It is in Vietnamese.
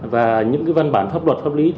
và những văn bản pháp luật pháp lý